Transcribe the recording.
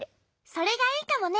それがいいかもね。